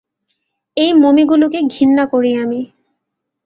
এই মমিগুলোকে ঘেন্না করি আমি!